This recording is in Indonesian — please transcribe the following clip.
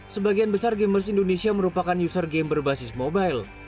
sebagian besar gamers indonesia merupakan user game berbasis mobile